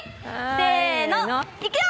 せーの、いくよ！